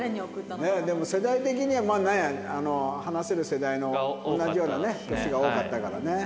でも世代的には話せる世代の同じようなね年が多かったからね。